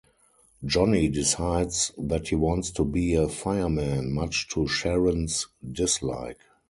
Johnny decides that he wants to be a fireman, much to Sharon's dislike.